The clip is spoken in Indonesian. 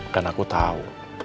dan aku tau